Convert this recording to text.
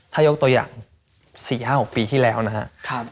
ถ้ายกตัวอย่าง๔๕๖ปีที่แล้วนะครับ